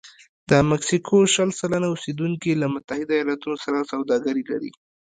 د مکسیکو شل سلنه اوسېدونکي له متحده ایالتونو سره سوداګري لري.